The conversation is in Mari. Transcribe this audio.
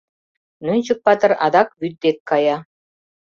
Нӧнчык-патыр адак вӱд дек кая.